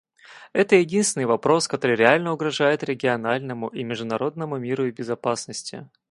Это единственный вопрос, который реально угрожает региональному и международному миру и безопасности.